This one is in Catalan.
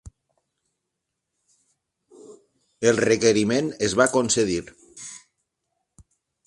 El requeriment es va concedir.